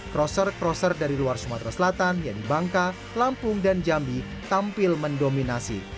kroser kroser dari luar sumatera selatan yani bangka lampung dan jambi tampil mendominasi